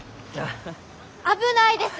危ないです！